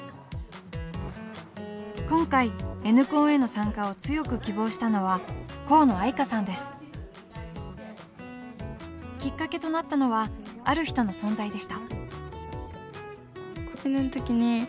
今回Ｎコンへの参加を強く希望したのはきっかけとなったのはある人の存在でした。